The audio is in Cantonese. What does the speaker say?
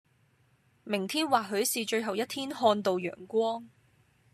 明天或許是最後一天看到陽光，